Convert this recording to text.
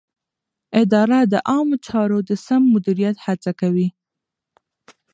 اداره د عامه چارو د سم مدیریت هڅه کوي.